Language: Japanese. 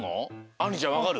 あんりちゃんわかる？